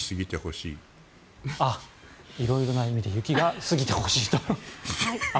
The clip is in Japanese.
いろいろな意味で雪が過ぎてほしいと。